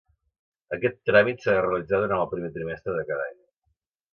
Aquest tràmit s'ha de realitzar durant el primer trimestre de cada any.